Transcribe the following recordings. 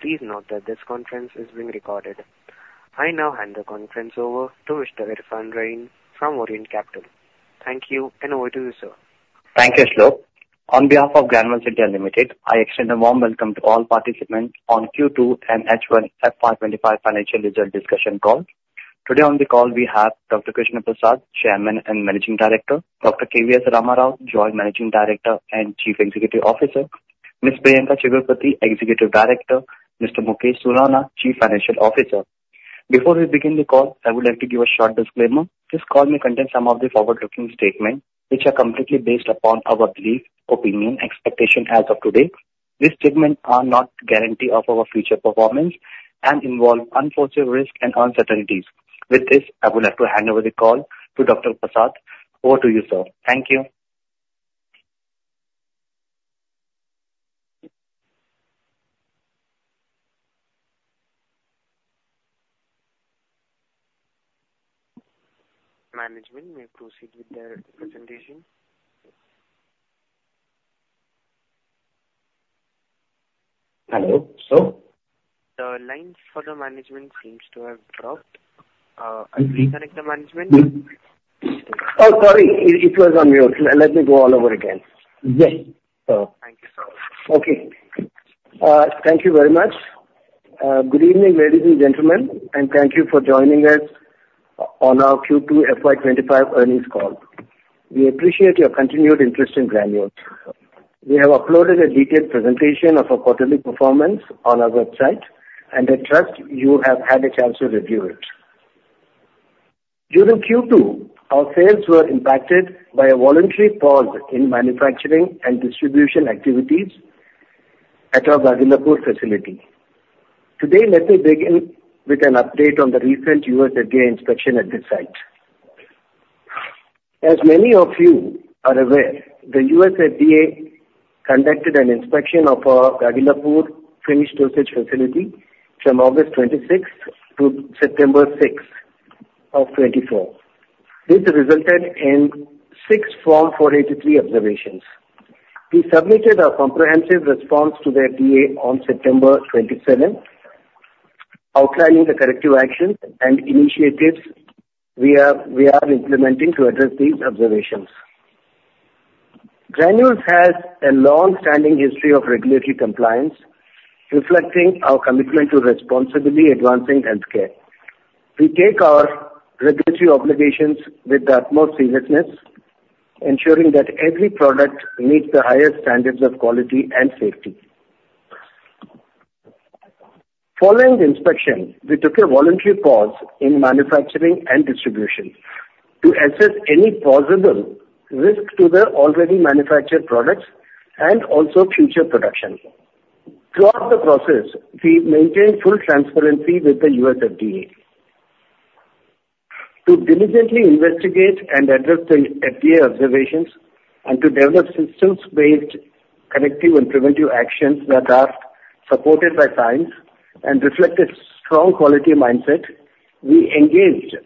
Please note that this conference is being recorded. I now hand the conference over to Mr. Irfan Raeen from Orient Capital. Thank you and over to you, sir. Thank you, Shiloh. On behalf of Granules India Limited, I extend a warm welcome to all participants on Q2 and H1 FY 2025 financial results discussion call. Today on the call, we have Dr. Krishna Prasad, Chairman and Managing Director. Dr. K.V.S. Ram Rao, Joint Managing Director and Chief Executive Officer. Ms. Priyanka Chigurupati, Executive Director. Mr. Mukesh Surana, Chief Financial Officer. Before we begin the call, I would like to give a short disclaimer. This call may contain some of the forward-looking statements which are completely based upon our belief, opinion, and expectation as of today. These statements are not a guarantee of our future performance and involve unforeseen risks and uncertainties. With this, I would like to hand over the call to Dr. Prasad or to you, sir. Thank you. Management may proceed with their presentation. Hello, sir? The line for the management seems to have dropped. I'll reconnect the management. Oh, sorry. It was on mute. Let me go all over again. Yes. Thank you, sir. Okay. Thank you very much. Good evening, ladies and gentlemen, and thank you for joining us on our Q2 FY 2025 earnings call. We appreciate your continued interest in Granules. We have uploaded a detailed presentation of our quarterly performance on our website, and I trust you have had a chance to review it. During Q2, our sales were impacted by a voluntary pause in manufacturing and distribution activities at our Gagillapur facility. Today, let me begin with an update on the recent FDA inspection at this site. As many of you are aware, the FDA conducted an inspection of our Gagillapur finished dosage facility from August 26 to September 6 of 2024. This resulted in six Form 483 observations. We submitted a comprehensive response to the FDA on September 27, outlining the corrective actions and initiatives we are implementing to address these observations. Granules has a long-standing history of regulatory compliance, reflecting our commitment to responsibly advancing healthcare. We take our regulatory obligations with the utmost seriousness, ensuring that every product meets the highest standards of quality and safety. Following the inspection, we took a voluntary pause in manufacturing and distribution to assess any plausible risk to the already manufactured products and also future production. Throughout the process, we maintained full transparency with the FDA to diligently investigate and address the FDA observations and to develop systems-based corrective and preventive actions that are supported by science and reflect a strong quality mindset. We engaged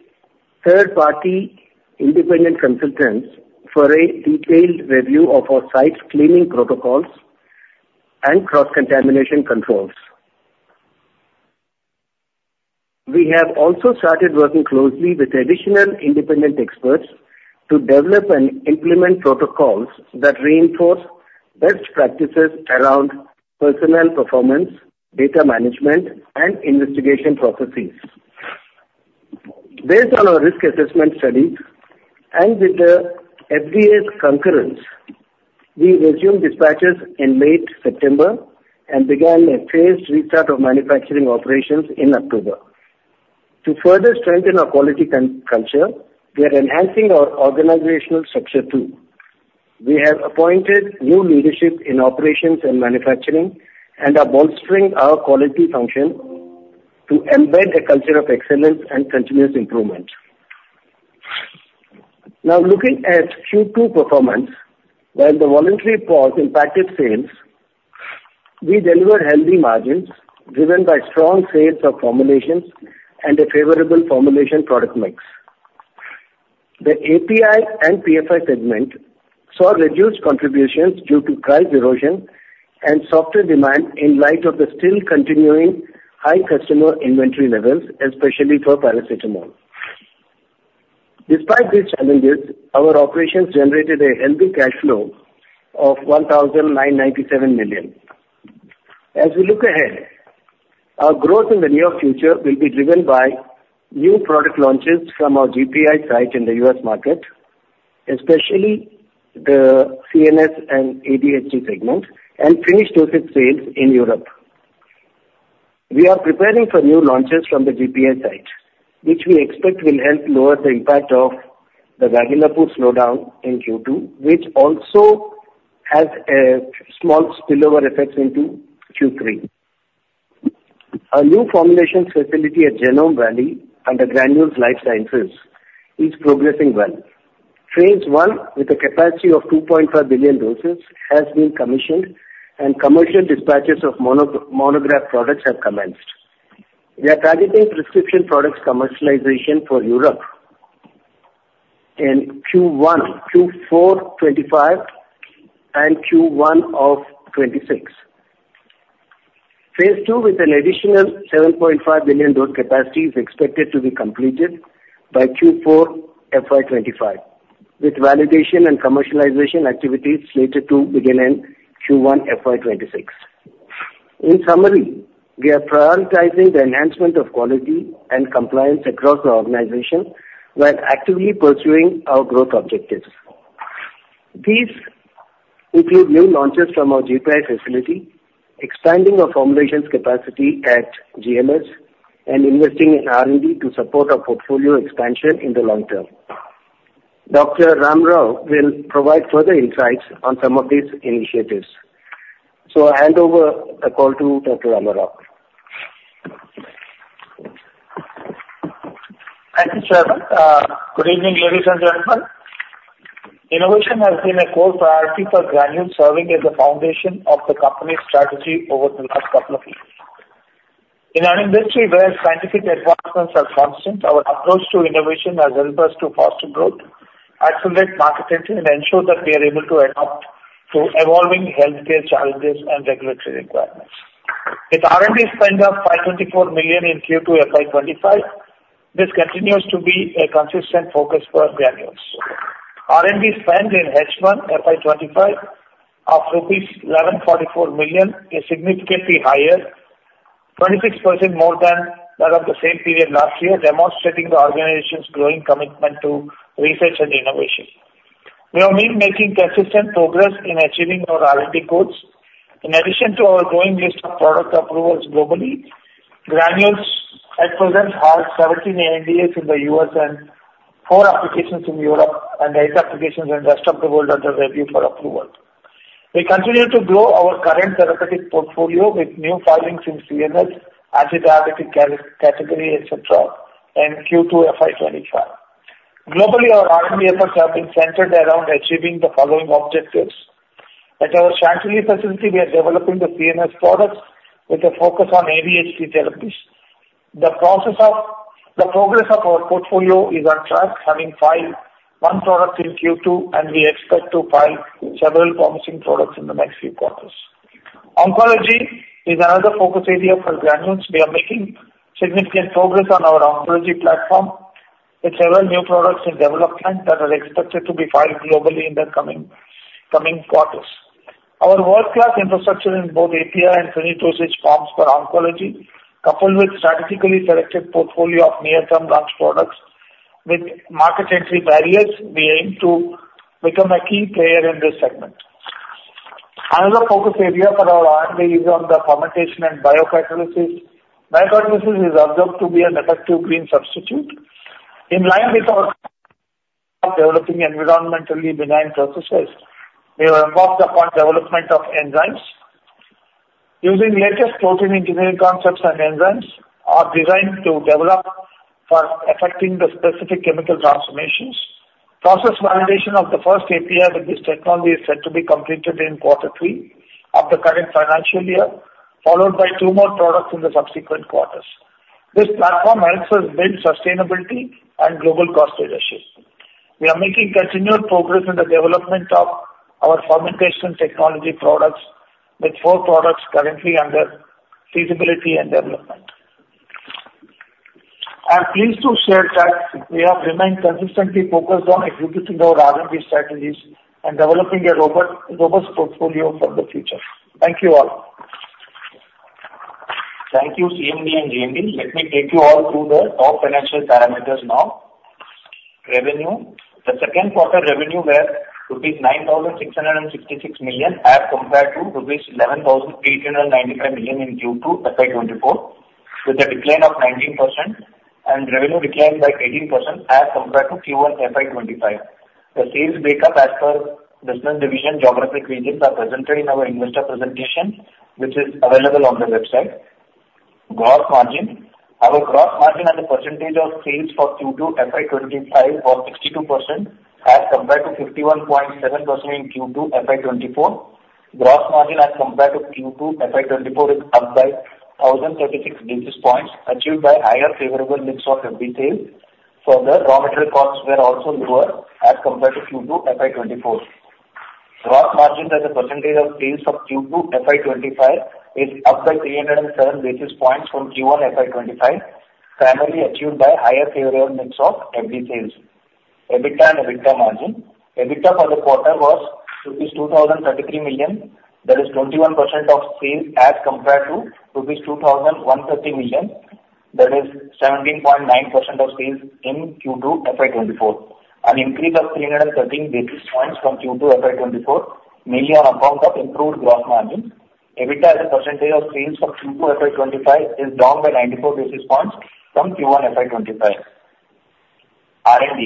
third-party independent consultants for a detailed review of our site's cleaning protocols and cross-contamination controls. We have also started working closely with additional independent experts to develop and implement protocols that reinforce best practices around personal performance, data management, and investigation processes. Based on our risk assessment studies and with the FDA's concurrence, we resumed dispatches in late September and began a phased restart of manufacturing operations in October. To further strengthen our quality culture, we are enhancing our organizational structure too. We have appointed new leadership in operations and manufacturing and are bolstering our quality function to embed a culture of excellence and continuous improvement. Now, looking at Q2 performance, while the voluntary pause impacted sales, we delivered healthy margins driven by strong sales of formulations and a favorable formulation product mix. The API and PFI segment saw reduced contributions due to price erosion and softer demand in light of the still continuing high customer inventory levels, especially for paracetamol. Despite these challenges, our operations generated a healthy cash flow of 1,997 million. As we look ahead, our growth in the near future will be driven by new product launches from our GPI site in the US market, especially the CNS and ADHD segment, and finished dosage sales in Europe. We are preparing for new launches from the GPI site, which we expect will help lower the impact of the Gagillapur slowdown in Q2, which also has a small spillover effect into Q3. Our new formulations facility at Genome Valley under Granules Life Sciences is progressing well. Phase I with a capacity of 2.5 billion doses has been commissioned, and commercial dispatches of monograph products have commenced. We are targeting prescription products commercialization for Europe in Q1, Q4 '2025, and Q1 of 2026. Phase II with an additional 7.5 billion doses capacity is expected to be completed by Q4 FY 2025, with validation and commercialization activities slated to begin in Q1 FY 2026. In summary, we are prioritizing the enhancement of quality and compliance across the organization while actively pursuing our growth objectives. These include new launches from our GPI facility, expanding our formulations capacity at GLS, and investing in R&D to support our portfolio expansion in the long term. Dr. Ram Rao will provide further insights on some of these initiatives. So I hand over the call to Dr. Ram Rao. Thank you, sir. Good evening, ladies and gentlemen. Innovation has been a core priority for Granules, serving as the foundation of the company's strategy over the last couple of years. In an industry where scientific advancements are constant, our approach to innovation has helped us to foster growth, accelerate market entry, and ensure that we are able to adapt to evolving healthcare challenges and regulatory requirements. With R&D spend of 524 million in Q2 FY 2025, this continues to be a consistent focus for Granules. R&D spend in H1 FY2025 of rupees 1,144 million is significantly higher, 26% more than that of the same period last year, demonstrating the organization's growing commitment to research and innovation. We are making consistent progress in achieving our R&D goals. In addition to our growing list of product approvals globally, Granules at present has 17 NDAs in the U.S. and four applications in Europe and eight applications in the rest of the world under review for approval. We continue to grow our current therapeutic portfolio with new filings in CNS, antidiabetic category, etc., and Q2 FY 2025. Globally, our R&D efforts have been centered around achieving the following objectives. At our Chantilly facility, we are developing the CNS products with a focus on ADHD therapies. The progress of our portfolio is on track, having filed one product in Q2, and we expect to file several promising products in the next few quarters. Oncology is another focus area for Granules. We are making significant progress on our oncology platform with several new products in development that are expected to be filed globally in the coming quarters. Our world-class infrastructure in both API and finished dosage forms for oncology, coupled with strategically selected portfolio of near-term launch products with market entry barriers, we aim to become a key player in this segment. Another focus area for our R&D is on the fermentation and biocatalysis. Biocatalysis is observed to be an effective green substitute. In line with our developing environmentally benign processes, we are embarked upon development of enzymes. Using latest protein engineering concepts and enzymes, our design to develop for affecting the specific chemical transformations. Process validation of the first API with this technology is set to be completed in quarter three of the current financial year, followed by two more products in the subsequent quarters. This platform helps us build sustainability and global cost leadership. We are making continued progress in the development of our fermentation technology products with four products currently under feasibility and development. I'm pleased to share that we have remained consistently focused on executing our R&D strategies and developing a robust portfolio for the future. Thank you all. Thank you, CMD and JMD. Let me take you all through the top financial parameters now. Revenue, the second quarter revenue was rupees 9,666 million as compared to rupees 11,895 million in Q2 FY 2024, with a decline of 19% and revenue declined by 18% as compared to Q1 FY 2025. The sales breakup as per business division geographic regions are presented in our investor presentation, which is available on the website. Gross margin, our gross margin and the percentage of sales for Q2 FY 2025 was 62% as compared to 51.7% in Q2 FY 2024. Gross margin as compared to Q2 FY 2024 is up by 1,036 basis points, achieved by higher favorable mix of FD sales. Further, raw material costs were also lower as compared to Q2 FY 2024. Gross margin as a percentage of sales for Q2 FY 2025 is up by 307 basis points from Q1 FY 2025, primarily achieved by higher favorable mix of FD sales. EBITDA and EBITDA margin, EBITDA for the quarter was rupees 2,033 million, that is 21% of sales as compared to rupees 2,130 million, that is 17.9% of sales in Q2 FY 2024. An increase of 313 basis points from Q2 FY 2024 mainly on account of improved gross margin. EBITDA as a percentage of sales from Q2 FY 2025 is down by 94 basis points from Q1 FY 2025. R&D,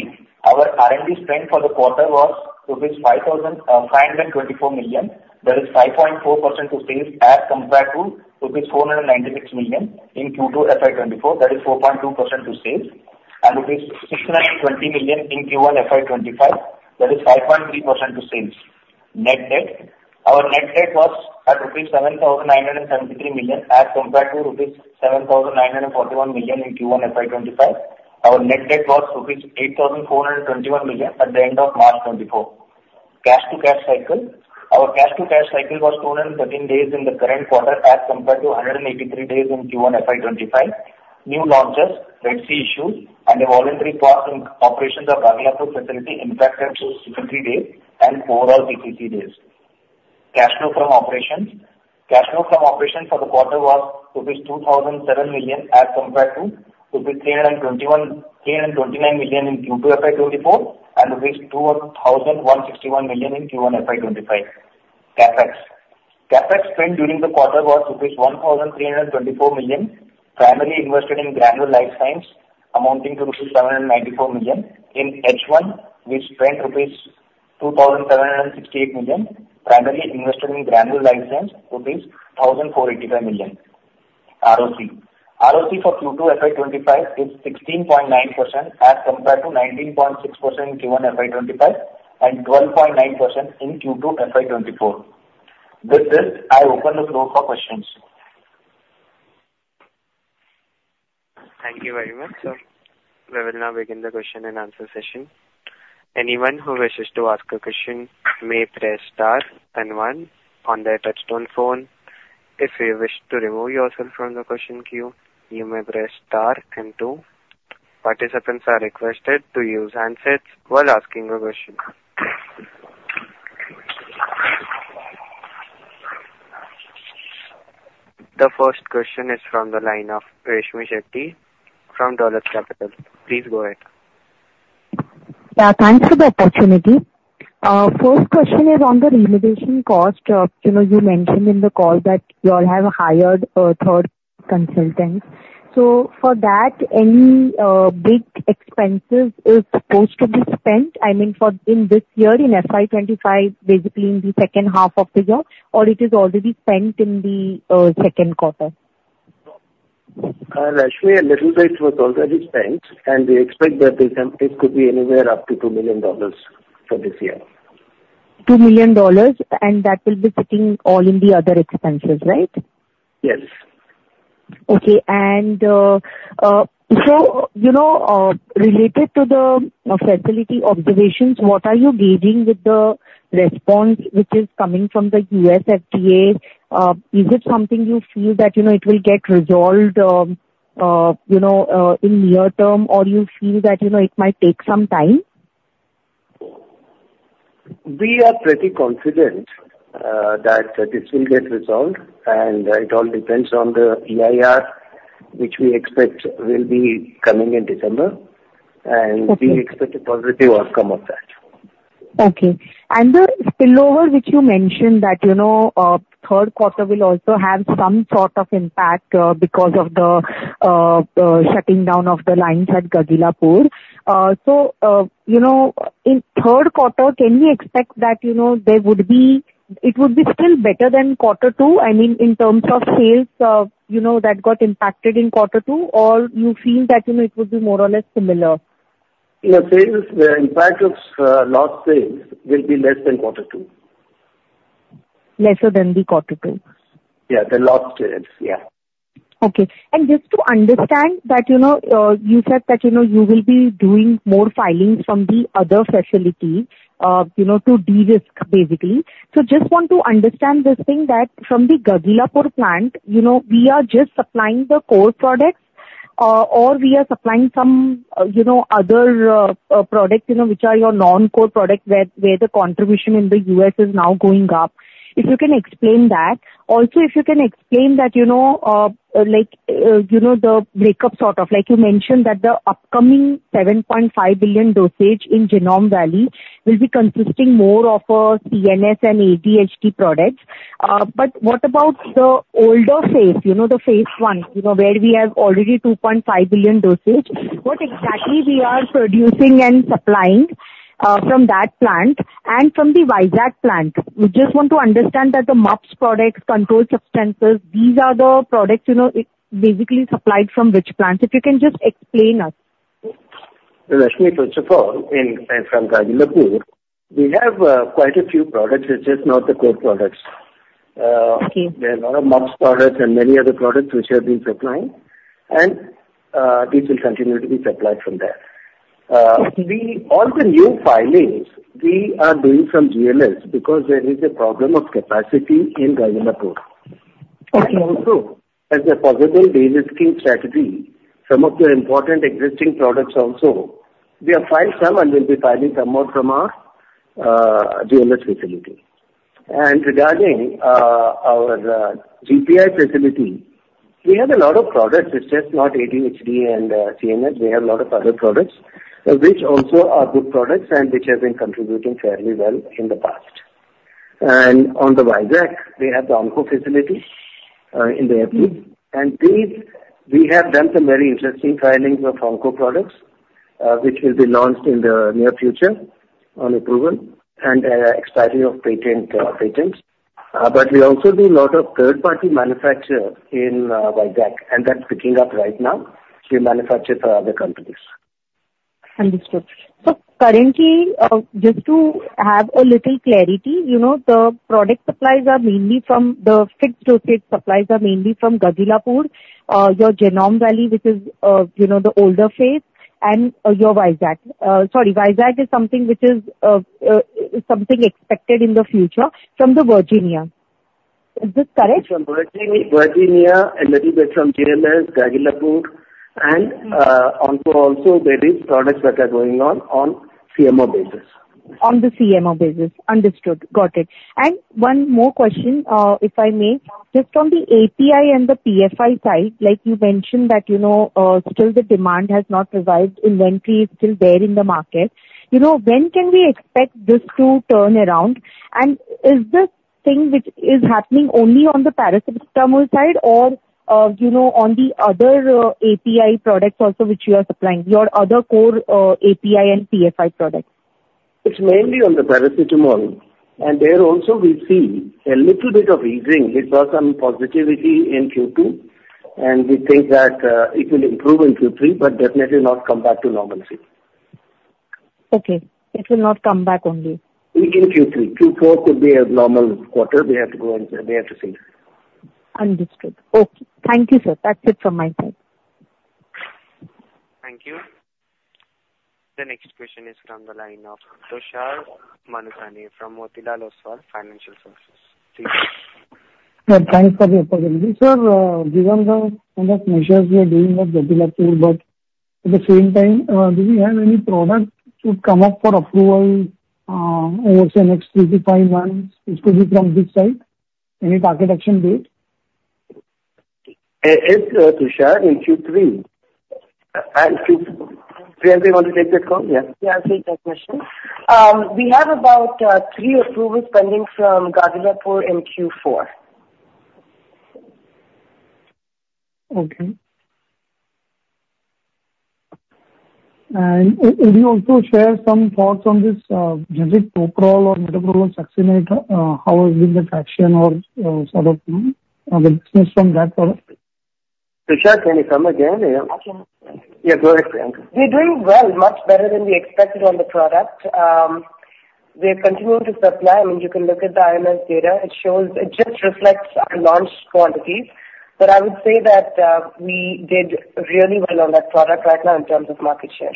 our R&D spend for the quarter was rupees 5,524 million, that is 5.4% to sales as compared to rupees 496 million in Q2 FY 2024, that is 4.2% to sales, and rupees 620 million in Q1 FY 2025, that is 5.3% to sales. Net debt, our net debt was at INR 7,973 million as compared to INR 7,941 million in Q1 FY 2025. Our net debt was INR 8,421 million at the end of March 2024. Cash to cash cycle, our cash to cash cycle was 213 days in the current quarter as compared to 183 days in Q1 FY 2025. New launches, Red Sea issues, and a voluntary pause in operations of Gagillapur facility impacted 63 days and overall 63 days. Cash flow from operations, cash flow from operations for the quarter was rupees 2,007 million as compared to rupees 329 million in Q2 FY 2024 and rupees 2,161 million in Q1 FY 2025. CapEx, CapEx spent during the quarter was rupees 1,324 million, primarily invested in Granules Life Sciences amounting to rupees 794 million. In H1, we spent rupees 2,768 million, primarily invested in Granules Life Sciences, 1,485 million. ROC, ROC for Q2 FY 2025 is 16.9% as compared to 19.6% in Q1 FY 2025 and 12.9% in Q2 FY 2024. With this, I open the floor for questions. Thank you very much. So we will now begin the question and answer session. Anyone who wishes to ask a question may press star and one on their touchstone phone. If you wish to remove yourself from the question queue, you may press star and two. Participants are requested to use handsets while asking a question. The first question is from the line of Rashmi Sancheti from Dolat Capital. Please go ahead. Yeah, thanks for the opportunity. First question is on the renovation cost. You mentioned in the call that you all have hired a third consultant. So for that, any big expenses is supposed to be spent, I mean, in this year in FY 2025, basically in the second half of the year, or it is already spent in the second quarter? Rashmi, a little bit was already spent, and we expect that the expense could be anywhere up to $2 million for this year. $2 million, and that will be sitting all in the other expenses, right? Yes. Okay. And so related to the facility observations, what are you gauging with the response which is coming from the U.S. FDA? Is it something you feel that it will get resolved in near term, or you feel that it might take some time? We are pretty confident that this will get resolved, and it all depends on the EIR, which we expect will be coming in December, and we expect a positive outcome of that. Okay. And the spillover which you mentioned that third quarter will also have some sort of impact because of the shutting down of the lines at Gagillapur. So in third quarter, can we expect that it would be still better than quarter two? I mean, in terms of sales that got impacted in quarter two, or you feel that it would be more or less similar? The sales, the impact of lost sales will be less than quarter two. Less than the quarter two? Yeah, the lost sales, yeah. Okay. And just to understand that you said that you will be doing more filings from the other facility to de-risk, basically. So just want to understand this thing that from the Gagillapur plant, we are just supplying the core products, or we are supplying some other products which are your non-core products where the contribution in the U.S. is now going up. If you can explain that. Also, if you can explain that the breakup sort of, like you mentioned that the upcoming 7.5 billion dosage in Genome Valley will be consisting more of CNS and ADHD products. But what about the older phase, the phase I where we have already 2.5 billion dosage? What exactly we are producing and supplying from that plant and from the Vizag plant? We just want to understand that the MUPS products, controlled substances, these are the products basically supplied from which plants. If you can just explain us. Rashmi, first of all, in Gagillapur, we have quite a few products. It's just not the core products. There are a lot of MUPS products and many other products which have been supplied, and these will continue to be supplied from there. All the new filings, we are doing from GMS because there is a problem of capacity in Gagillapur. Also, as a possible de-risking strategy, some of the important existing products also, we have filed some and we'll be filing some more from our GMS facility. And regarding our GPI facility, we have a lot of products. It's just not ADHD and CNS. We have a lot of other products which also are good products and which have been contributing fairly well in the past. On the Vizag, we have the Onco facility in the FD, and we have done some very interesting filings of Onco products which will be launched in the near future on approval and expiry of patents. But we also do a lot of third-party manufacture in Vizag, and that's picking up right now. We manufacture for other companies. Understood. So currently, just to have a little clarity, the PFI supplies are mainly from the finished dosage supplies are mainly from Gagillapur, your Genome Valley, which is the older phase, and your Vizag. Sorry, Vizag is something which is expected in the future from Virginia. Is this correct? It's from Virginia, a little bit from GMS, Gagillapur, and Onco also. There are products that are going on CMO basis. On the CMO basis. Understood. Got it. And one more question, if I may. Just on the API and the PFI side, like you mentioned that still the demand has not arrived, inventory is still there in the market. When can we expect this to turn around? And is this thing which is happening only on the Paracetamol side or on the other API products also which you are supplying, your other core API and PFI products? It's mainly on the paracetamol, and there also we see a little bit of easing. It was some positivity in Q2, and we think that it will improve in Q3, but definitely not come back to normalcy. Okay. It will not come back only? In Q3, Q4 could be a normal quarter. We have to go and we have to see. Understood. Okay. Thank you, sir. That's it from my side. Thank you. The next question is from the line of Tushar Manudhane from Motilal Oswal Financial Services. Please. Thanks for the opportunity. Sir, given the measures we are doing at Gagillapur, but at the same time, do we have any product to come up for approval over the next three to five months? It could be from this side. Any target action date? It's Tushar in Q3. Does anybody want to take this call? Yeah? Yeah, I'll take that question. We have about three approvals pending from Gagillapur in Q4. Okay, and would you also share some thoughts on this project, Toprol or Metoprolol succinate? How has been the traction or sort of the business from that product? Tushar, can you come again? I can. Yeah, go ahead, Priyanka. We're doing well, much better than we expected on the product. We're continuing to supply. I mean, you can look at the IMS data. It just reflects our launch quantities, but I would say that we did really well on that product right now in terms of market share.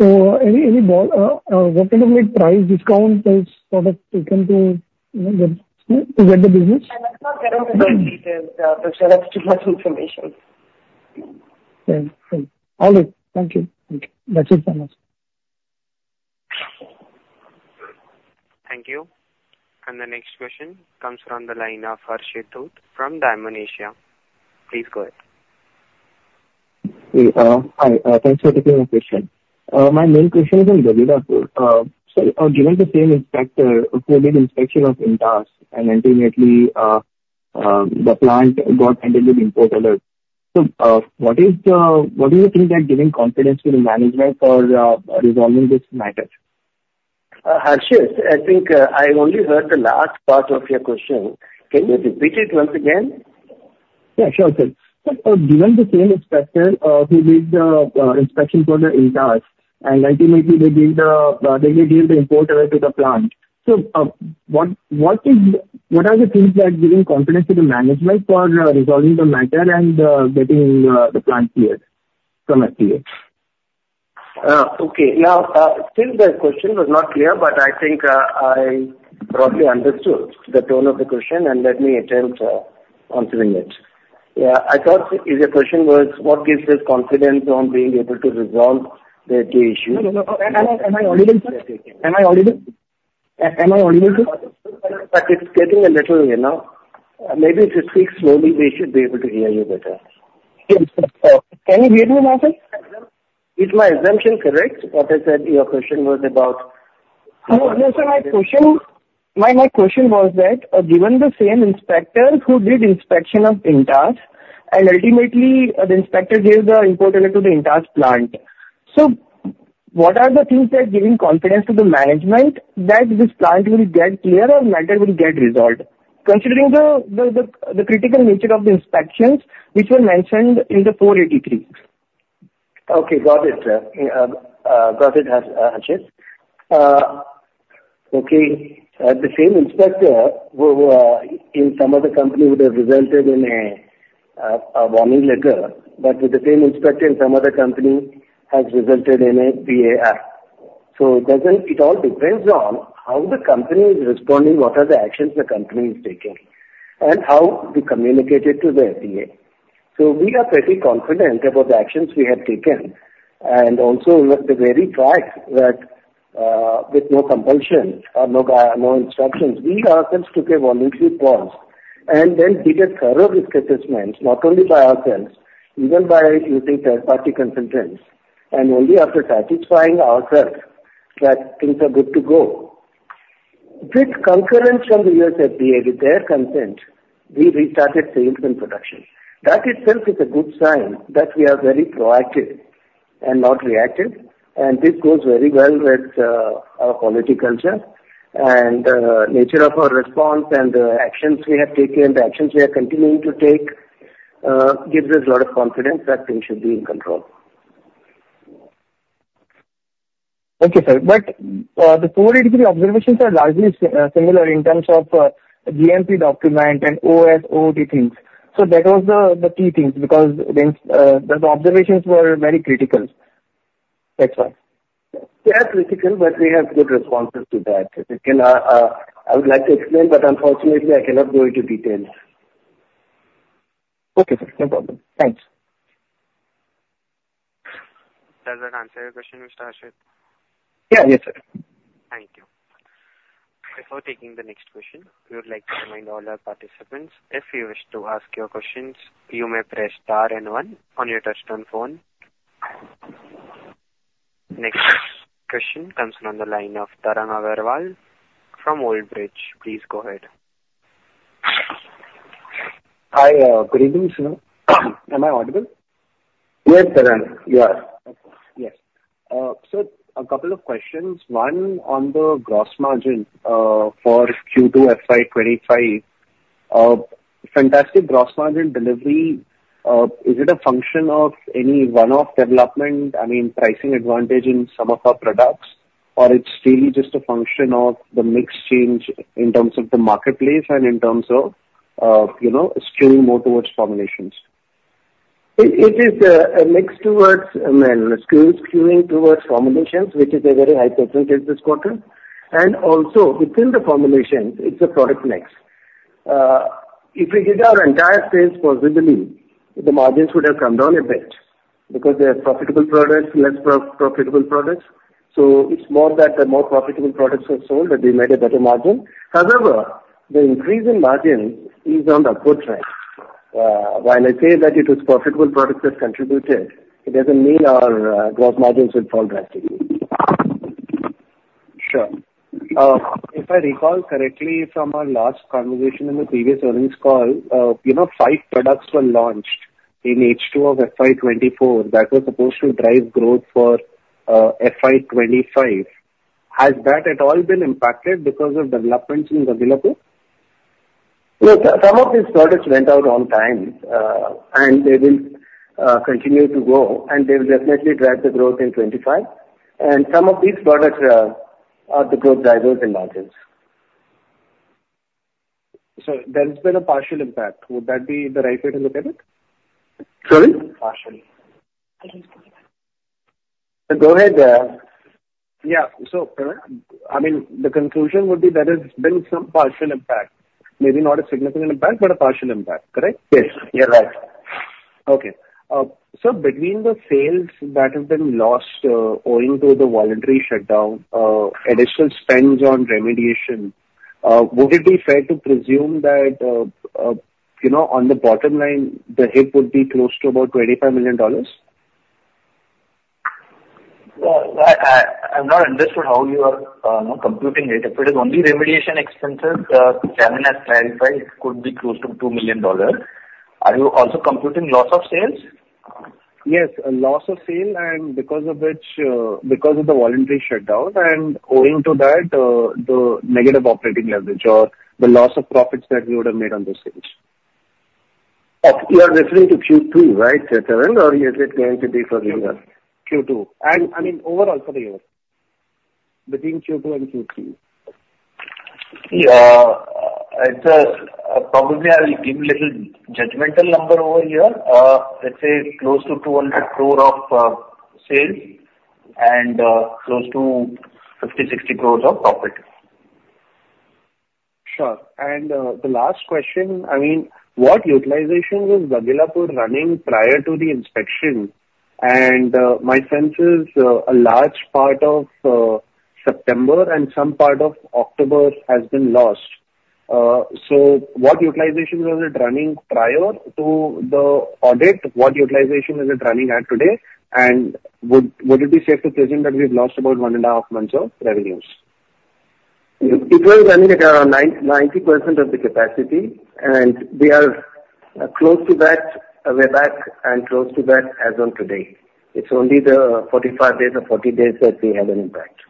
So, what kind of price discount has sort of taken to get the business? That's not very much detailed, Tushar. That's too much information. All right. Thank you. That's it from us. Thank you. And the next question comes from the line of Harshit Dhoot from Dymon Asia. Please go ahead. Hi. Thanks for taking my question. My main question is on Gagillapur. So given the same impact, COVID inspection of Intas, and ultimately the plant got ended with import alert. So what is the thing that giving confidence to the management for resolving this matter? Harshit, I think I only heard the last part of your question. Can you repeat it once again? Yeah, sure. So given the same inspector who did the inspection for the Intas, and ultimately they did the import alert to the plant, so what are the things that giving confidence to the management for resolving the matter and getting the plant cleared from FDA? Okay. Now, still the question was not clear, but I think I broadly understood the tone of the question, and let me attempt answering it. Yeah, I thought the question was, what gives this confidence on being able to resolve the issue? Am I audible? Am I audible? Am I audible? But it's getting a little. Maybe if you speak slowly, we should be able to hear you better. Yes, sir. Can you hear me now, sir? Is my exemption correct? What I said, your question was about. No, sir. My question was that given the same inspector who did inspection of Intas, and ultimately the inspector gave the import alert to the Intas plant, so what are the things that giving confidence to the management that this plant will get clear or matter will get resolved, considering the critical nature of the inspections which were mentioned in the 483? Okay. Got it. Got it, Harshit. Okay. The same inspector who in some other company would have resulted in a warning letter, but with the same inspector in some other company has resulted in a 483, so it all depends on how the company is responding, what are the actions the company is taking, and how we communicate it to the FDA, so we are pretty confident about the actions we have taken, and also, the very fact that with no compulsion or no instructions, we ourselves took a voluntary pause and then did a thorough risk assessment, not only by ourselves, even by using third-party consultants, and only after satisfying ourselves that things are good to go, with concurrence from the U.S. FDA with their consent, we restarted sales and production. That itself is a good sign that we are very proactive and not reactive, and this goes very well with our quality culture and nature of our response and the actions we have taken, the actions we are continuing to take, gives us a lot of confidence that things should be in control. Thank you, sir. But the 483 observations are largely similar in terms of GMP document and OSD things. So that was the key things because the observations were very critical. That's why. They are critical, but we have good responses to that. I would like to explain, but unfortunately, I cannot go into details. Okay, sir. No problem. Thanks. Does that answer your question, Mr. Harshit? Yeah. Yes, sir. Thank you. Before taking the next question, we would like to remind all our participants, if you wish to ask your questions, you may press star and one on your touch-tone phone. Next question comes from the line of Tarang Agrawal from Old Bridge. Please go ahead. Hi. Good evening, sir. Am I audible? Yes, Tarang. You are. Okay. Yes. So a couple of questions. One on the gross margin for Q2 FY 2025. Fantastic gross margin delivery. Is it a function of any one-off development, I mean, pricing advantage in some of our products, or it's really just a function of the mix change in terms of the marketplace and in terms of skewing more towards formulations? It is a mix towards, I mean, skewing towards formulations, which is a very high percentage this quarter, and also, within the formulations, it's a product mix. If we did our entire base possibly, the margins would have come down a bit because there are profitable products, less profitable products, so it's more that the more profitable products were sold, that we made a better margin. However, the increase in margins is on the upward trend. While I say that it was profitable products that contributed, it doesn't mean our gross margins will fall drastically. Sure. If I recall correctly from our last conversation in the previous earnings call, five products were launched in H2 of FY 2024 that were supposed to drive growth for FY 2025. Has that at all been impacted because of developments in Gagillapur? Some of these products went out on time, and they will continue to go, and they will definitely drive the growth in 2025. And some of these products are the growth drivers in margins. So there's been a partial impact. Would that be the right way to look at it? Sorry? Partial. Go ahead. Yeah. So I mean, the conclusion would be there has been some partial impact, maybe not a significant impact, but a partial impact. Correct? Yes. You're right. Between the sales that have been lost owing to the voluntary shutdown, additional spends on remediation, would it be fair to presume that on the bottom line, the hit would be close to about $25 million? I'm not in this world. I only have computing data. For the only remediation expenses, Tarang has clarified, it could be close to $2 million. Are you also computing loss of sales? Yes. Loss of sale, and because of the voluntary shutdown, and owing to that, the negative operating leverage or the loss of profits that we would have made on those sales. You are referring to Q2, right, Tarang, or is it going to be for the year? Q2. And I mean, overall for the year, between Q2 and Q3. Probably I'll give a little judgmental number over here. Let's say close to 200 crore of sales and close to 50-60 crore of profit. Sure. And the last question, I mean, what utilization was Gagillapur running prior to the inspection? And my sense is a large part of September and some part of October has been lost. So what utilization is it running at today? And would it be safe to presume that we've lost about one and a half months of revenues? It was running at around 90% of the capacity, and we are close to that, we're back, and close to that as of today. It's only the 45 days or 40 days that we have an impact.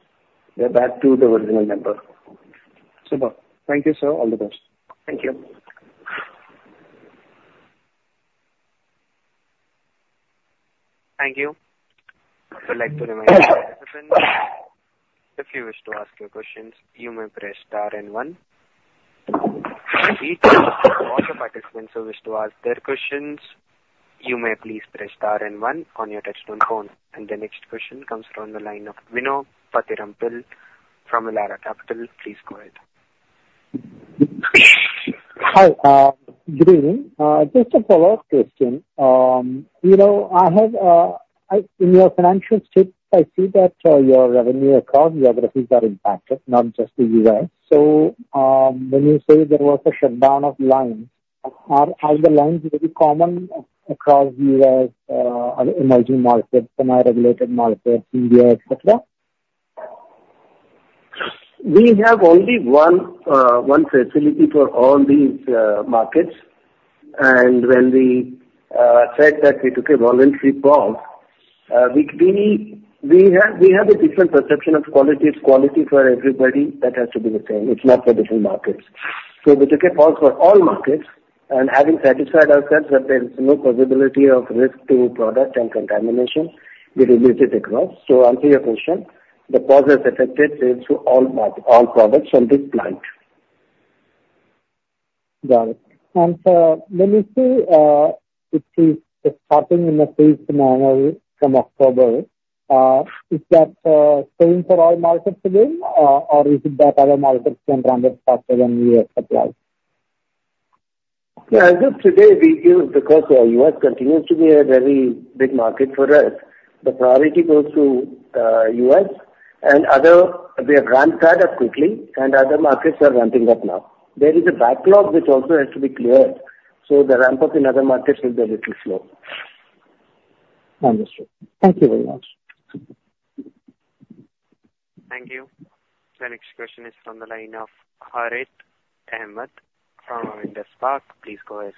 We're back to the original number. Super. Thank you, sir. All the best. Thank you. Thank you. I'd like to remind participants, if you wish to ask your questions, you may press star and one. And to all the participants who wish to ask their questions, you may please press star and one on your touch-tone phone. The next question comes from the line of Bino Pathiparampil from Elara Capital. Please go ahead. Hi. Good evening. Just a follow-up question. I have in your financial statement, I see that your revenue across geographies are impacted, not just the U.S. So when you say there was a shutdown of lines, are the lines very common across the U.S. emerging markets, semi-regulated markets, India, etc.? We have only one facility for all these markets. And when we said that we took a voluntary pause, we had a different perception of quality. It's quality for everybody. That has to be the same. It's not for different markets. So we took a pause for all markets, and having satisfied ourselves that there is no possibility of risk to product and contamination, we removed it across. So answering your question, the pause has affected sales to all products from this plant. Got it. And when you say it is starting in a phased manner from October, is that same for all markets again, or is it that other markets can run it faster than U.S. supply? Yeah. As of today, we use because U.S. continues to be a very big market for us. The priority goes to U.S., and we have ramped that up quickly, and other markets are ramping up now. There is a backlog which also has to be cleared. So the ramp-up in other markets will be a little slow. Understood. Thank you very much. Thank you. The next question is from the line of Harith Ahamed from Avendus Spark. Please go ahead.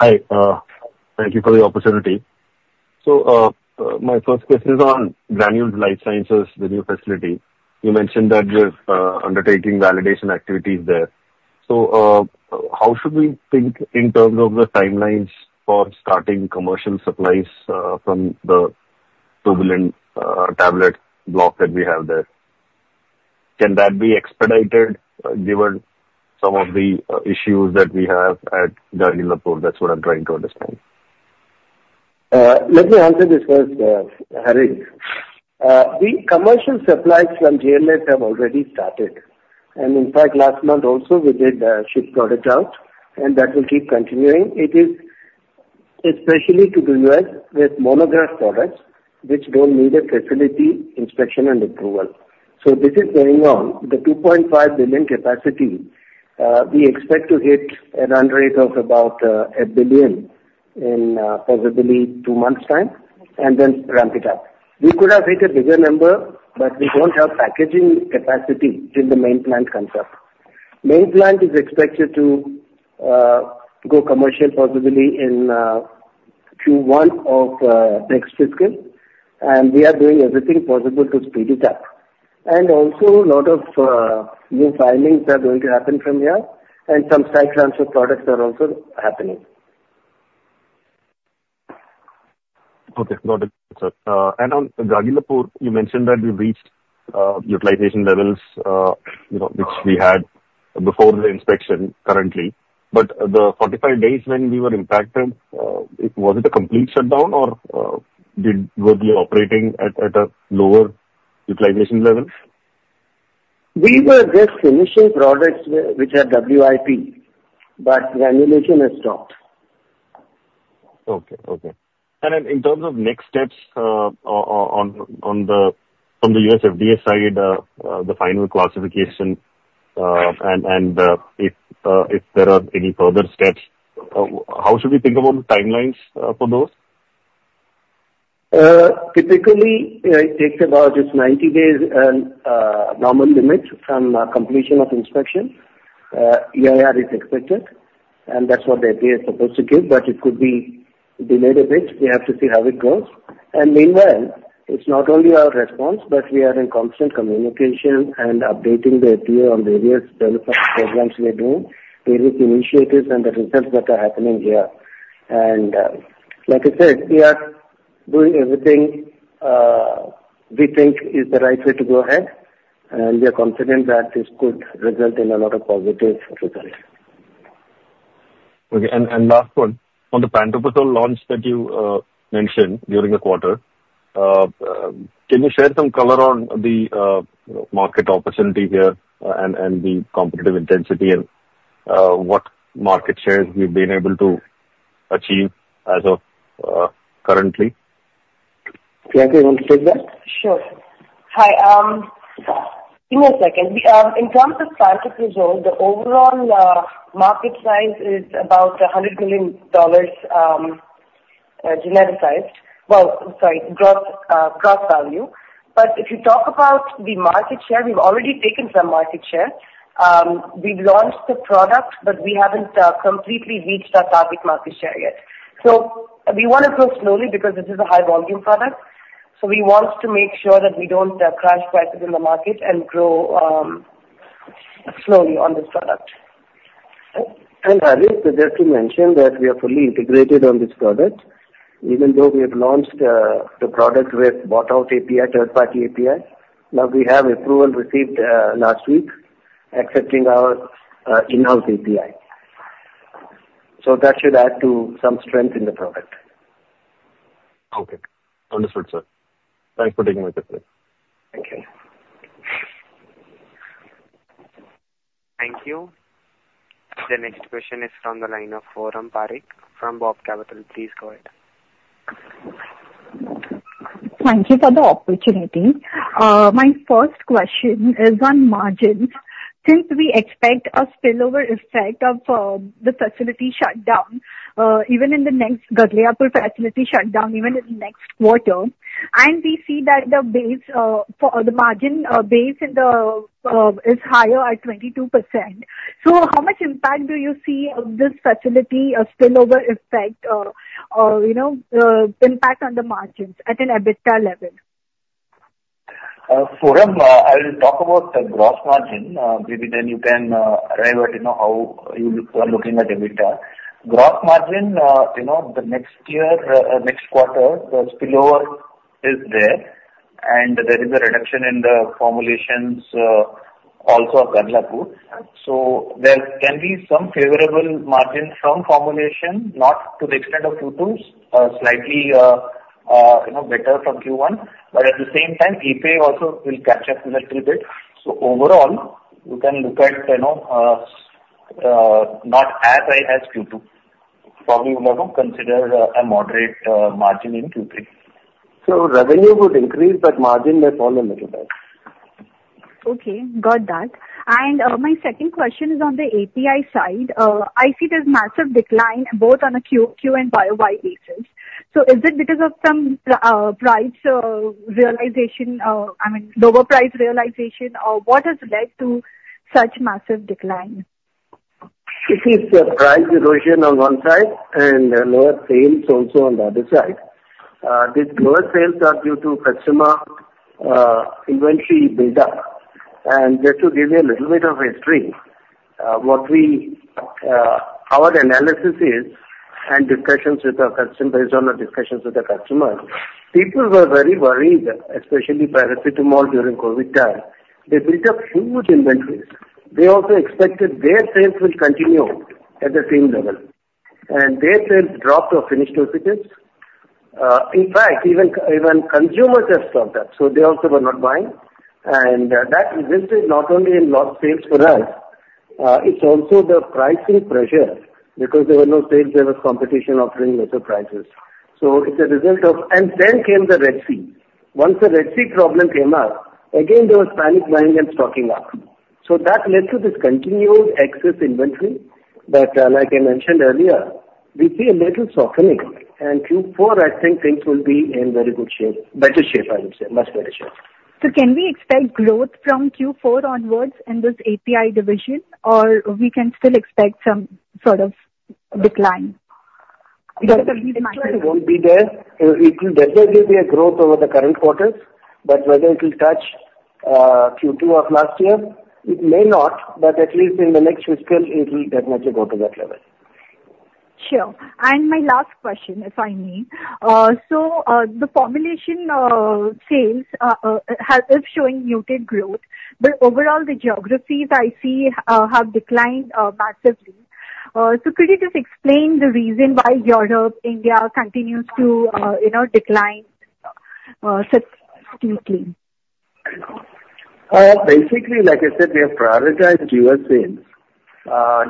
Hi. Thank you for the opportunity. So my first question is on Granules Life Sciences, the new facility. You mentioned that you're undertaking validation activities there. So how should we think in terms of the timelines for starting commercial supplies from the Tubulin tablet block that we have there? Can that be expedited given some of the issues that we have at Gagillapur? That's what I'm trying to understand. Let me answer this first, Harith. The commercial supplies from GLS have already started, and in fact, last month also, we did ship product out, and that will keep continuing. It is especially to the U.S. with monograph products which don't need a facility inspection and approval, so this is going on. The 2.5 billion capacity, we expect to hit a run rate of about a billion in possibly two months' time and then ramp it up. We could have hit a bigger number, but we don't have packaging capacity till the main plant comes up. Main plant is expected to go commercial possibly in Q1 of next fiscal, and we are doing everything possible to speed it up, and also, a lot of new filings are going to happen from here, and some site transfer products are also happening. Okay. Got it, sir. And on Gagillapur, you mentioned that we reached utilization levels which we had before the inspection currently. But the 45 days when we were impacted, was it a complete shutdown, or were we operating at a lower utilization level? We were just finishing products which are WIP, but granulation has stopped. Okay. Okay. And in terms of next steps from the U.S. FDA side, the final classification, and if there are any further steps, how should we think about the timelines for those? Typically, it takes about just 90 days and normal limits from completion of inspection. EIR is expected, and that's what the FDA is supposed to give, but it could be delayed a bit. We have to see how it goes. And meanwhile, it's not only our response, but we are in constant communication and updating the FDA on various benefit programs we're doing, various initiatives, and the results that are happening here. And like I said, we are doing everything we think is the right way to go ahead, and we are confident that this could result in a lot of positive results. Okay. And last one, on the Pantoprazole launch that you mentioned during the quarter, can you share some color on the market opportunity here and the competitive intensity and what market shares we've been able to achieve as of currently? Priyanka, you want to take that? Sure. Hi. Give me a second. In terms of Pantoprazole, the overall market size is about $100 million generalized. Well, sorry, gross value. But if you talk about the market share, we've already taken some market share. We've launched the product, but we haven't completely reached our target market share yet. So we want to grow slowly because this is a high-volume product. So we want to make sure that we don't crash prices in the market and grow slowly on this product. Harith, just to mention that we are fully integrated on this product. Even though we have launched the product with bought-out API, third-party API, now we have approval received last week accepting our in-house API. That should add to some strength in the product. Okay. Understood, sir. Thanks for taking my question. Thank you. Thank you. The next question is from the line of Forum Parekh from BOB Capital. Please go ahead. Thank you for the opportunity. My first question is on margins. Since we expect a spillover effect of the facility shutdown, even in the next Gagillapur facility shutdown, even in the next quarter, and we see that the margin base is higher at 22%, so how much impact do you see of this facility spillover effect on the margins at an EBITDA level? Forum, I will talk about the gross margin. Maybe then you can arrive at how you are looking at EBITDA. Gross margin, the next year, next quarter, the spillover is there, and there is a reduction in the formulations also of Gagillapur. So there can be some favorable margin from formulation, not to the extent of Q2, slightly better from Q1. But at the same time, API also will catch up a little bit. So overall, you can look at not as high as Q2. Probably we will have to consider a moderate margin in Q3. So revenue would increase, but margin may fall a little bit. Okay. Got that. And my second question is on the API side. I see there's massive decline both on a Q and Y basis. So is it because of some price realization, I mean, lower price realization, or what has led to such massive decline? It is price erosion on one side and lower sales also on the other side. These lower sales are due to customer inventory build-up, and just to give you a little bit of history, our analysis and discussions with our customers, based on our discussions with the customers, people were very worried, especially Paracetamol during COVID time. They built up huge inventories. They also expected their sales will continue at the same level, and their sales dropped or finished earlier. In fact, even consumers have stopped that, so they also were not buying, and that resulted not only in lost sales for us, it's also the pricing pressure because there were no sales. There was competition offering better prices. So it's a result of, and then came the Red Sea. Once the Red Sea problem came up, again, there was panic buying and stocking up. So that led to this continued excess inventory that, like I mentioned earlier, we see a little softening. And Q4, I think things will be in very good shape, better shape, I would say, much better shape. So can we expect growth from Q4 onwards in this API division, or we can still expect some sort of decline? The expectation won't be there. It will definitely be a growth over the current quarters, but whether it will touch Q2 of last year, it may not, but at least in the next fiscal, it will definitely go to that level. Sure. And my last question, if I may. So the formulation sales is showing muted growth, but overall, the geographies I see have declined massively. So could you just explain the reason why Europe, India, continues to decline substantially? Basically, like I said, we have prioritized U.S. sales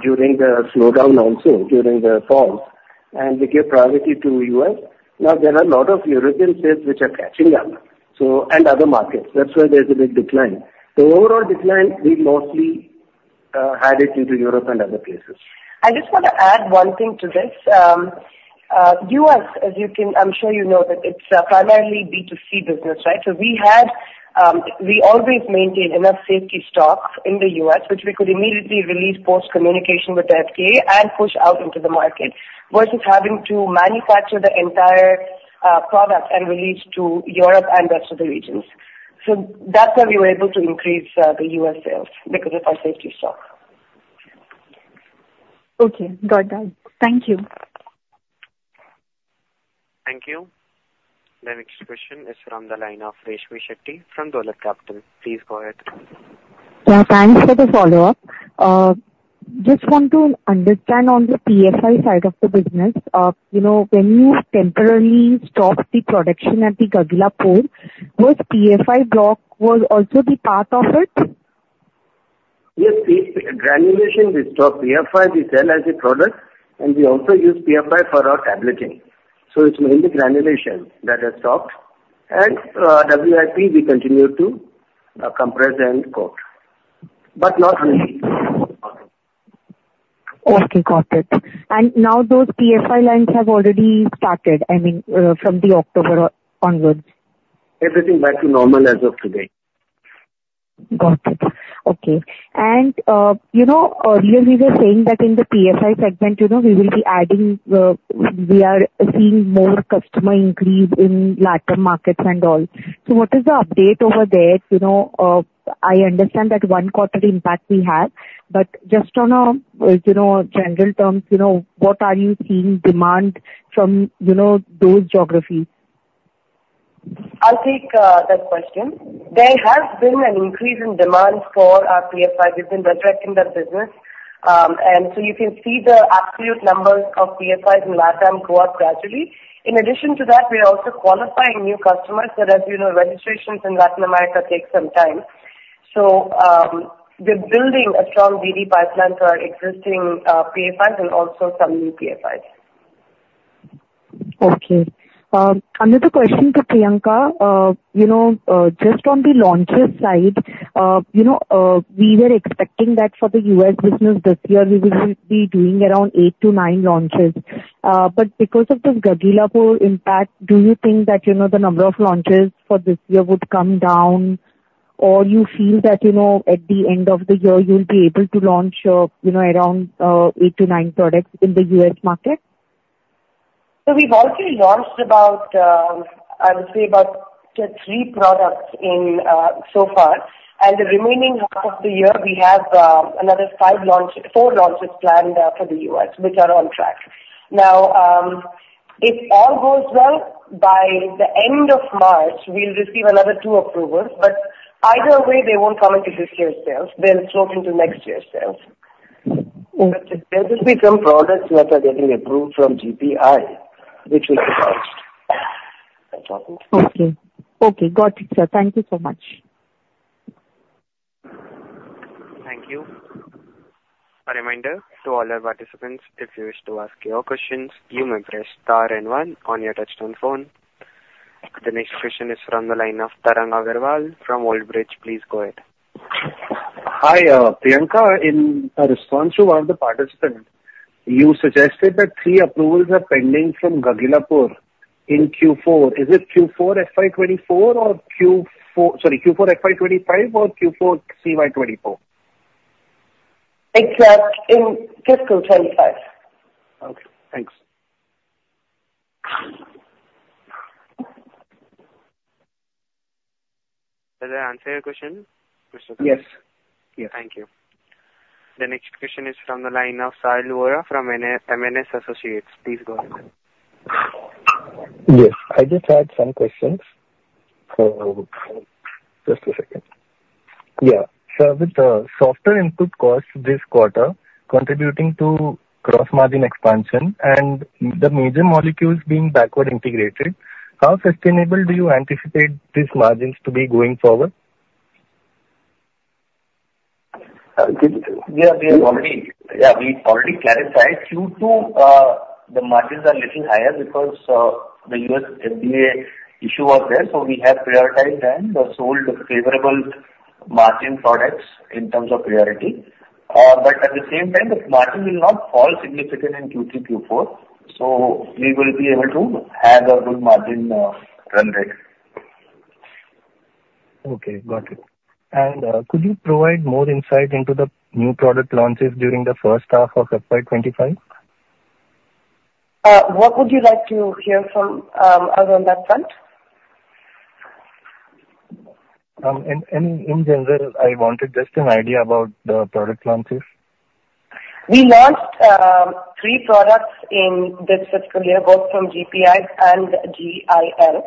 during the slowdown also, during the fall, and we give priority to U.S. Now, there are a lot of European sales which are catching up and other markets. That's why there's a big decline. The overall decline, we mostly had it into Europe and other places. I just want to add one thing to this. U.S., as you can, I'm sure you know that it's primarily B2C business, right? So we always maintain enough safety stock in the U.S., which we could immediately release post-communication with FDA and push out into the market versus having to manufacture the entire product and release to Europe and rest of the regions. So that's why we were able to increase the U.S. sales because of our safety stock. Okay. Got that. Thank you. Thank you. The next question is from the line of Rashmi Sancheti from Dolat Capital. Please go ahead. Thanks for the follow-up. Just want to understand on the PFI side of the business. When you temporarily stopped the production at the Gagillapur, was PFI block also part of it? Yes. Granulation, we stopped PFI. We sell as a product, and we also use PFI for our tableting. So it's mainly granulation that has stopped. And WIP, we continue to compress and coat, but not really. Okay. Got it. And now those PFI lines have already started, I mean, from October onwards? Everything back to normal as of today. Got it. Okay. And earlier, we were saying that in the PFI segment, we will be adding we are seeing more customer increase in Latin markets and all. So what is the update over there? I understand that one-quarter impact we have, but just on a general terms, what are you seeing demand from those geographies? I'll take that question. There has been an increase in demand for our PFI. We've been redirecting that business. And so you can see the absolute numbers of PFIs in LatAm go up gradually. In addition to that, we're also qualifying new customers. But as you know, registrations in Latin America take some time. So we're building a strong BD pipeline for our existing PFIs and also some new PFIs. Okay. Another question to Priyanka. Just on the launches side, we were expecting that for the U.S. business this year, we will be doing around eight to nine launches. But because of the Gagillapur impact, do you think that the number of launches for this year would come down, or you feel that at the end of the year, you'll be able to launch around eight to nine products in the U.S. market? So we've already launched about, I would say, about three products so far. And the remaining half of the year, we have another four launches planned for the U.S., which are on track. Now, if all goes well, by the end of March, we'll receive another two approvals. But either way, they won't come into this year's sales. They'll slope into next year's sales. There will be some products that are getting approved from GPI, which will be launched. Okay. Okay. Got it, sir. Thank you so much. Thank you. A reminder to all our participants, if you wish to ask your questions, you may press star and one on your touch-tone phone. The next question is from the line of Tarang Agrawal from Old Bridge. Please go ahead. Hi, Priyanka. In response to one of the participants, you suggested that three approvals are pending from Gagillapur in Q4. Is it Q4 FY 2024 or Q4, sorry, Q4 FY 2025 or Q4 CY 2024? It's in fiscal 2025. Okay. Thanks. Did I answer your question? Yes. Yes. Thank you. The next question is from the line of Sahil Vora from M&S Associates. Please go ahead. Yes. I just had some questions. Just a second. Yeah. So with the lower input costs this quarter contributing to gross margin expansion and the major molecules being backward integrated, how sustainable do you anticipate these margins to be going forward? Yeah. We already clarified Q2. The margins are a little higher because the U.S. FDA issue was there. So we have prioritized them and sold favorable margin products in terms of priority. But at the same time, the margin will not fall significantly in Q3, Q4. So we will be able to have a good margin run rate. Okay. Got it. And could you provide more insight into the new product launches during the first half of FY 2025? What would you like to hear from us on that front? In general, I wanted just an idea about the product launches. We launched three products in this fiscal year, both from GPI and GIL.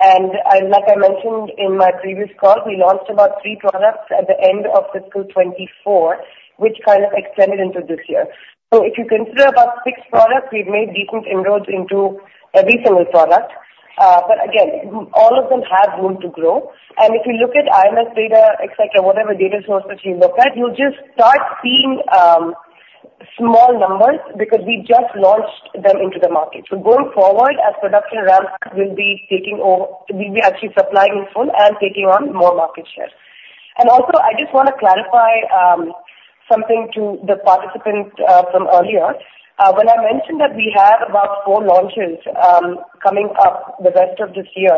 And like I mentioned in my previous call, we launched about three products at the end of fiscal 2024, which kind of extended into this year. So if you consider about six products, we've made decent inroads into every single product. But again, all of them have room to grow. And if you look at IMS data, etc., whatever data sources you look at, you'll just start seeing small numbers because we just launched them into the market. So going forward, as production ramps, we'll be taking over. We'll be actually supplying in full and taking on more market share. And also, I just want to clarify something to the participant from earlier. When I mentioned that we have about four launches coming up the rest of this year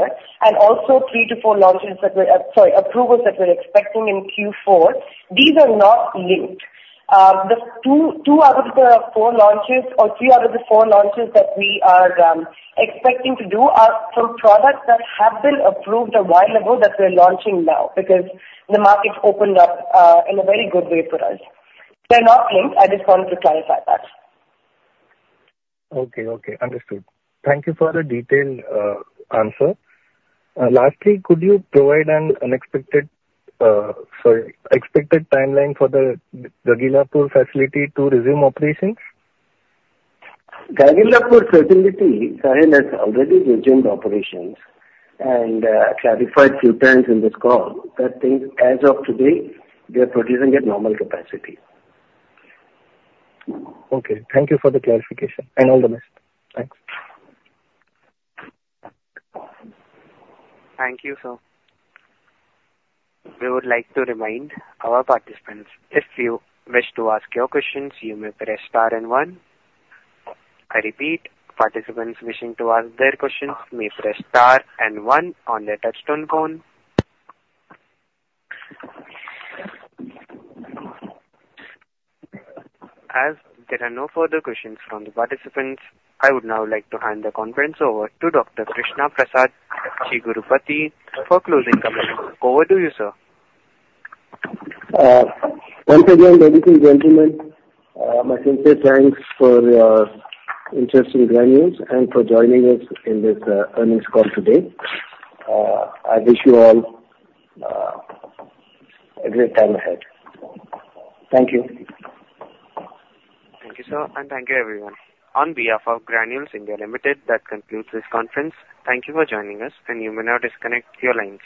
and also three to four launches that we're, sorry, approvals that we're expecting in Q4, these are not linked. The two out of the four launches or three out of the four launches that we are expecting to do are from products that have been approved a while ago that we're launching now because the market opened up in a very good way for us. They're not linked. I just wanted to clarify that. Okay. Okay. Understood. Thank you for the detailed answer. Lastly, could you provide an unexpected, sorry, expected timeline for the Gagillapur facility to resume operations? Gagillapur facility, Sahil, has already resumed operations and clarified a few times in this call that as of today, we are producing at normal capacity. Okay. Thank you for the clarification and all the best. Thanks. Thank you, sir. We would like to remind our participants, if you wish to ask your questions, you may press star and one. I repeat, participants wishing to ask their questions may press star and one on their touch-tone phone. As there are no further questions from the participants, I would now like to hand the conference over to Dr. Krishna Prasad Chigurupati for closing comments. Over to you, sir. Once again, ladies and gentlemen, my sincere thanks for your interest in Granules and for joining us in this earnings call today. I wish you all a great time ahead. Thank you. Thank you, sir, and thank you, everyone. On behalf of Granules India Limited, that concludes this conference. Thank you for joining us, and you may now disconnect your lines.